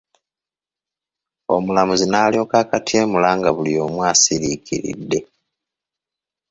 Omulamuzi n’alyoka akatyemula nga buli omu asiriikiridde.